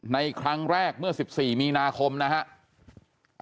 ในครั้งแรกเมื่อ๑๔มีนาคมนะครับ